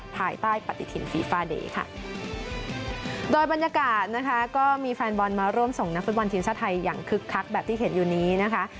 ภายใต้ปฏิทินฟีฟาเดย์ค่ะโดยบรรยากาศนะคะก็มีแฟนบอลมาร่วมส่งนักฟุตบอลทีมชาติไทยอย่างคึกคักแบบที่เห็นอยู่นี้นะคะ